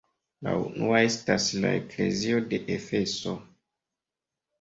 La unua estas la eklezio de Efeso.